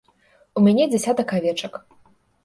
У мяне дзясятак авечак.